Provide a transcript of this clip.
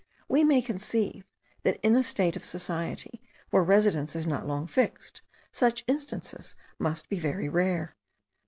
We may conceive, that in a state of society, where residence is not long fixed, such instances must be very rare.